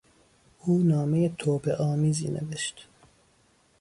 او نامهی توبهآمیزی نوشت.